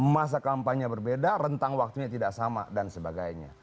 masa kampanye berbeda rentang waktunya tidak sama dan sebagainya